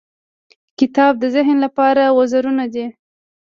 • کتاب د ذهن لپاره وزرونه دي.